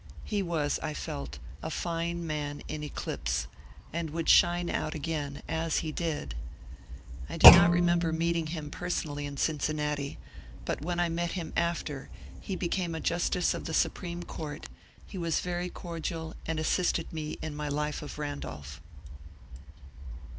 He was, I felt, a fine man In eclipse, and would shine out again, as he did. I do not remember meeting him personally in Cincinnati, but when I met him after he be came a justice of the Supreme Court, he was very cordial and assisted me in my ^^ Life of Randolph."